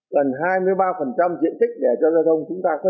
gần hai mươi ba diện tích để cho giai đoạn chúng ta có chín